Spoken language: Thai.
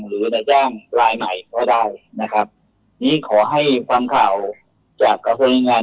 หรือรัฐจ้างลายใหม่ก็ได้นะครับนี่ขอให้ความข่าวจากคณิงาน